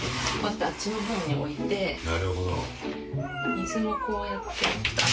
水もこうやって。